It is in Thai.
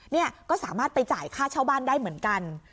เนี่ยก็สามารถไปจ่ายค่าเช่าบ้านได้เหมือนกัน